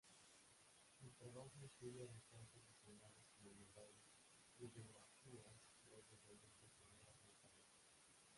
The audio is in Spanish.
El trabajo incluye retratos diseñados como medallas, y biografías breves de muchos figuras notables.